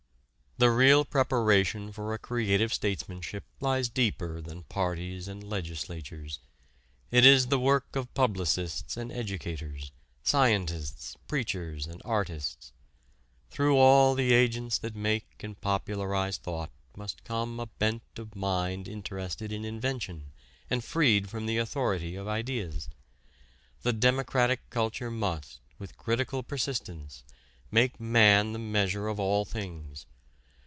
The real preparation for a creative statesmanship lies deeper than parties and legislatures. It is the work of publicists and educators, scientists, preachers and artists. Through all the agents that make and popularize thought must come a bent of mind interested in invention and freed from the authority of ideas. The democratic culture must, with critical persistence, make man the measure of all things.